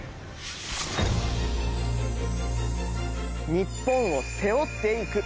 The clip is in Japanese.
日本を背負っていく。